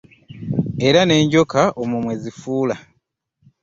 Era n'enjoka omwo mwe zifuula .